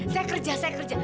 saya kerja saya kerja